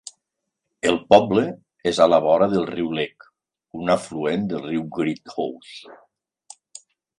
El poble és a la vora del riu Leck, un afluent del riu Great Ouse.